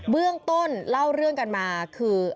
เรื่องต้นเล่าเรื่องกันมาคือ